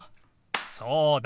そうだ！